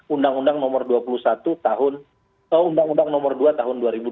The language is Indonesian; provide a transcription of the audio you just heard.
undang undang nomor dua tahun dua ribu dua puluh satu